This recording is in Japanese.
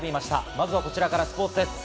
まずはこちらから、スポーツです。